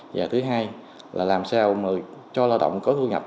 và thứ hai là làm sao cho lao động có thu nhập